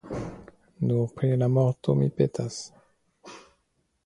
Nur pri la morto mi petas!